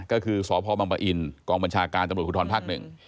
ก็คือสพมอินกบัญชาการตคุณธรพักษ์หนึ่ง